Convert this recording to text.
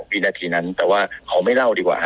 วินาทีนั้นแต่ว่าขอไม่เล่าดีกว่า